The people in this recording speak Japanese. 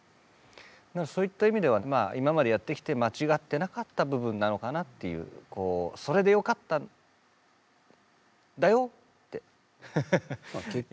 そういった意味では今までやってきて間違ってなかった部分なのかなっていうそれでよかったんだよっていう。